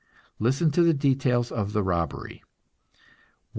Listen to the details of the robbery: $162.